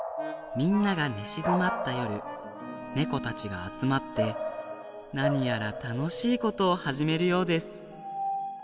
みんながねしずまったよるねこたちがあつまってなにやらたのしいことをはじめるようです。